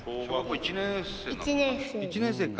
１年生か。